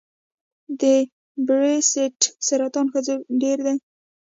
د بریسټ سرطان ښځو کې ډېر دی.